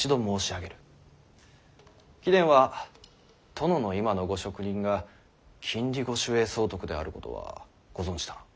貴殿は殿の今のご職任が禁裏御守衛総督であることはご存じだな。